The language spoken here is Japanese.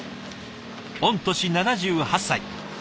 御年７８歳。